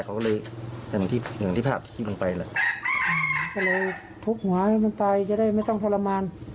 จะได้ไม่ต้องทรมาน